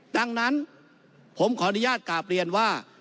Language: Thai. ดังนั้นผมขออนุญาตกราบเรียนว่า